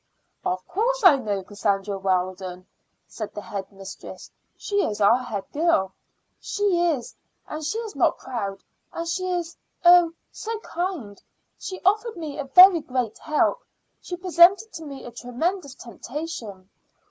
"Of course I know Cassandra Weldon," said the head mistress. "She is our head girl." "She is; and she is not proud, and she is oh, so kind! She offered me a very great help. She presented to me a tremendous temptation."